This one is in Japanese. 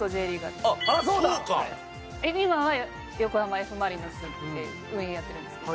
で今は横浜Ｆ・マリノスで運営やってるんですけども。